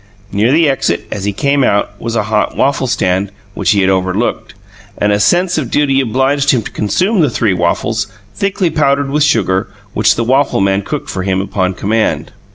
Near the exit, as he came out, was a hot waffle stand which he had overlooked, and a sense of duty obliged him to consume the three waffles, thickly powdered with sugar, which the waffle man cooked for him upon command.